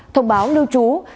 thông báo lưu trú